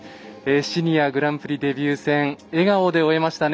シニアグランプリデビュー戦笑顔で終えましたね。